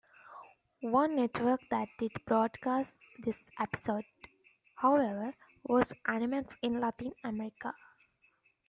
One network that did broadcast this episode, however, was Animax in Latin America.